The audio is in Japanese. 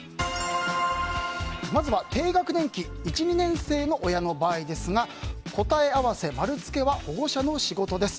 まずは低学年期１２年生の親の場合ですが答え合わせ、丸つけは保護者の仕事です。